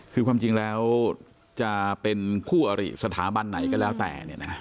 คือความจริงแล้วจะเป็นคู่อริสถาบันไหนก็แล้วแต่